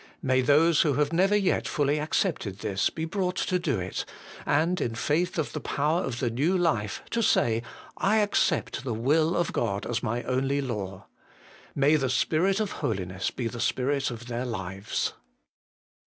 May those who have never yet fully accepted this be brought to do it, and in faith of the power of the new life to say, I accept the will of God as my only law. May the Spirit of holiness be the spirit of their lives